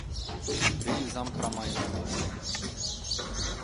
Ондре изам прамай ойлыш...